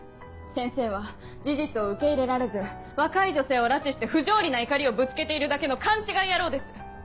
先生は事実を受け入れられず若い女性を拉致して不条理な怒りをぶつけているだけの勘違い野郎です！